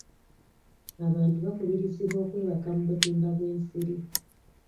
Abantu bakubirizibwa okwebaka mu butimba bw'ensiri.